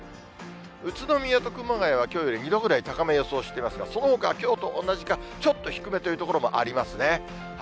宇都宮と熊谷はきょうより２度ぐらい高め予想していますが、そのほかは、きょうと同じか、ちょっと低めという所もありますね。